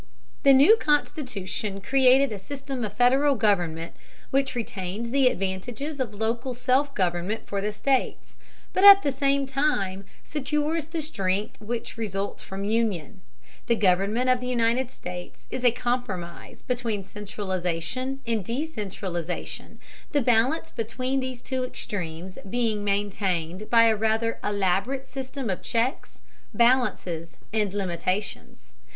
The new Constitution created a system of Federal government which retains the advantages of local self government for the states, but at the same time secures the strength which results from union. The government of the United States is a compromise between centralization and decentralization, the balance between these two extremes being maintained by a rather elaborate system of checks, balances, and limitations.